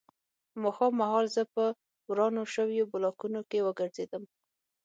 ماښام مهال زه په ورانو شویو بلاکونو کې وګرځېدم